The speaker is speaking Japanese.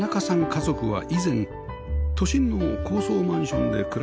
家族は以前都心の高層マンションで暮らしていました